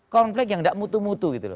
konflik yang tidak mutu mutu gitu loh